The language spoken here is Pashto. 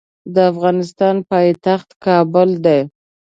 د افغانستان پایتخت کابل دی.